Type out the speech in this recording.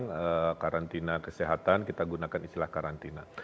kalau karantina kesehatan kita menggunakan istilah karantina